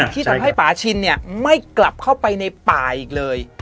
ที่ทำให้ป่าชินเนี่ยไม่กลับเข้าไปในป่าอีกเลย